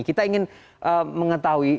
kita ingin mengetahui